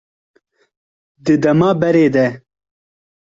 Di dema berê de